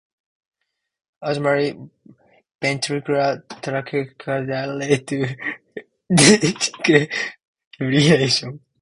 Ultimately, ventricular tachycardia leads to ventricular fibrillation.